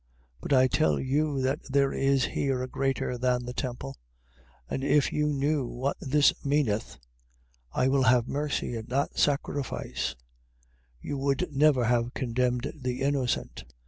12:6. But I tell you that there is here a greater than the temple. 12:7. And if you knew what this meaneth: I will have mercy, and not sacrifice: you would never have condemned the innocent.